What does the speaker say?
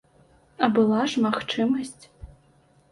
А была ж магчымасць.